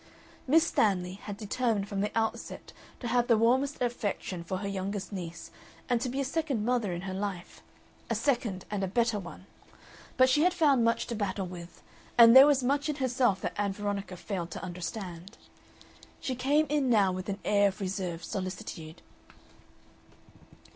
Miss Stanley had determined from the outset to have the warmest affection for her youngest niece and to be a second mother in her life a second and a better one; but she had found much to battle with, and there was much in herself that Ann Veronica failed to understand. She came in now with an air of reserved solicitude.